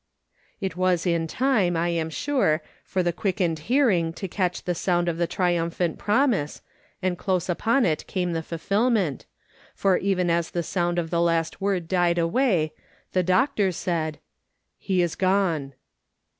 It was in time, I am sure, for the quickened hear ing to catch the sound of the triumphant promise, and close upon it came the fulfilment, for even as ^'deliverance:' 311 the sound of the last word died away, the doctoi said : "He is gone."